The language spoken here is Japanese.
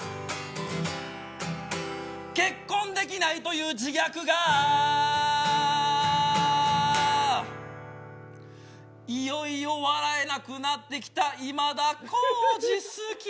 結婚できないという自虐がいよいよ笑えなくなってきた今田耕司好き